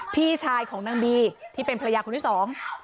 พี่ชายของนางบีที่เป็นภรรยาคนที่สอง